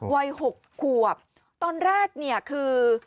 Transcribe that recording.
วัย๖ขวบตอนแรกเนี่ยคือ